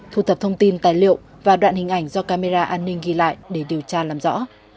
thu thập thông tin tài liệu và đoạn hình ảnh do camera an ninh ghi lại để điều tra làm rõ